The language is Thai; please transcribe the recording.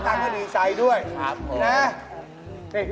บ๊ายพูโชว์แฟน